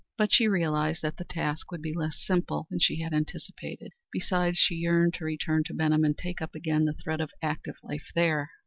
But she realized that the task would be less simple than she had anticipated. Besides she yearned to return to Benham, and take up again the thread of active life there.